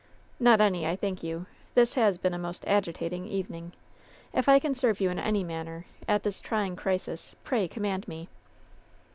"Not any, I thank you. This has been a most agi tating evening. If I can serve you in any manner, at this trying crisis, pray command me."